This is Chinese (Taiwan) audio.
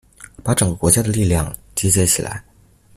把整個國家的力量集結起來